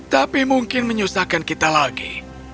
tapi mungkin menyusahkan kita lagi